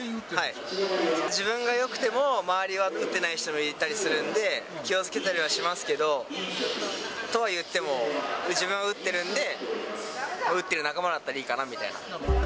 自分がよくても周りが打ってない人もいたりするので、気をつけたりはしますけど、とはいっても、自分は打ってるんで、打ってる仲間だったらいいかなみたいな。